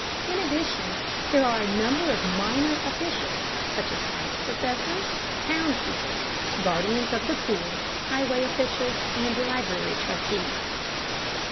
In addition there are a number of minor officials, such as tax assessors, pound keepers, guardians of the poor, highway officials, and library trustees.